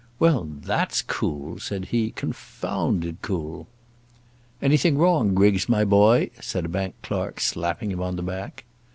"Well, that's cool," said he; "confounded cool!" "Anything wrong, Griggs, my boy?" said a bank clerk, slapping him on the back.